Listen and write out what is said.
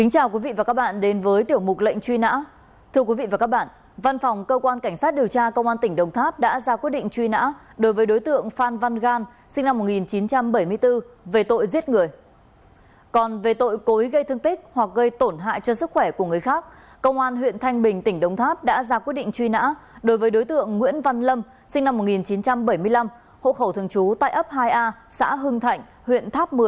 hãy đăng ký kênh để ủng hộ kênh của chúng mình nhé